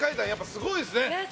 すごいですね。